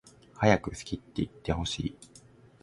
はやく好きっていってほしい